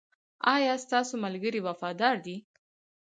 ایا ستاسو ملګري وفادار دي؟